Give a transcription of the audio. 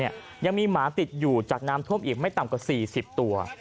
ยังมีหมาติดอยู่จากน้ำท่วมอีกไม่ต่ำกว่า๔๐ตัว